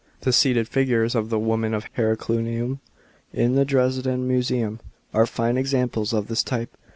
The seated figures of the " Women of Herculaneum," in the Dresden Museum, are fine examples of this type.